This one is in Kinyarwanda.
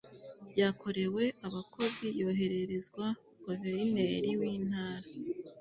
ryakorewe abakozi yohererezwa Guverineri w Intara